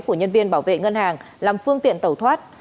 của nhân viên bảo vệ ngân hàng làm phương tiện tàu thoát